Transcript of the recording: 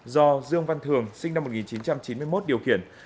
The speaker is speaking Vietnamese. do dương văn thường sinh năm một nghìn chín trăm chín mươi một điều khiển